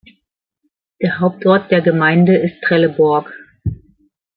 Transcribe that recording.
Der Hauptort der Gemeinde ist Trelleborg.